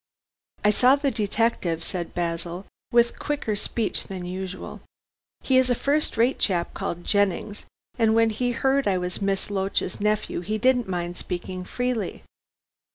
"I saw the detective," said Basil, with quicker speech than usual. "He is a first rate chap called Jennings, and when he heard I was Miss Loach's nephew he didn't mind speaking freely."